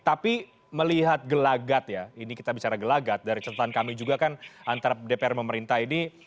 tapi melihat gelagat ya ini kita bicara gelagat dari catatan kami juga kan antara dpr dan pemerintah ini